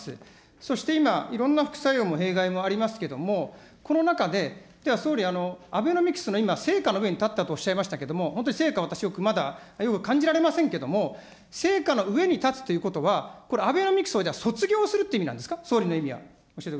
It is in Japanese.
そして今、いろんな副作用も弊害もありますけれども、この中で、では総理、アベノミクスの今、成果の上に立ったとおっしゃいましたけれども、本当に成果、私まだよく感じられませんけれども、成果の上に立つということはこれ、アベノミクスをじゃあ、卒業するという意味なんですか、総理の意味は。